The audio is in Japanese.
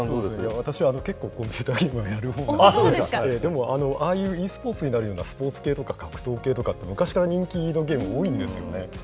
私は結構、コンピューターゲームはやるほうなんですが、でも、ああいうｅスポーツになるようなスポーツ系とか格闘系とかって、昔から人気のゲーム多いんですよね。